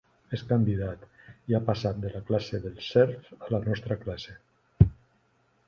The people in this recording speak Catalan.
És candidat, i ha passat de la classe dels serfs a la nostra classe.